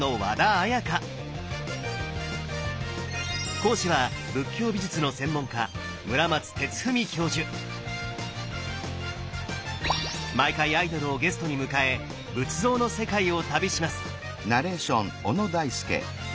講師は仏教美術の専門家毎回アイドルをゲストに迎え仏像の世界を旅します！